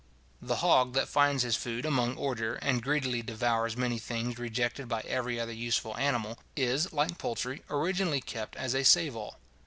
The hog, that finds his food among ordure, and greedily devours many things rejected by every other useful animal, is, like poultry, originally kept as a save all.